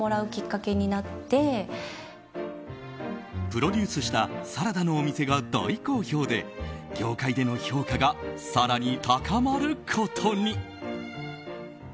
プロデュースしたサラダのお店が大好評で業界での評価が更に高まることに。